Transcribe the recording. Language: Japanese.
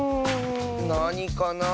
なにかなあ。